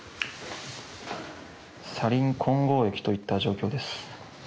サリン混合液といった状況です。